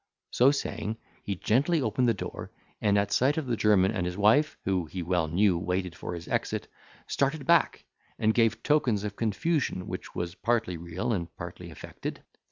So saying, he gently opened the door, and, at sight of the German and his wife, who, he well knew, waited for his exit, started back, and gave tokens of confusion, which was partly real and partly affected.